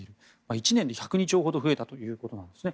１年で１０２兆ほど増えたということなんですね。